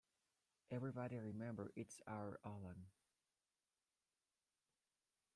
Everybody remember it's our Alan.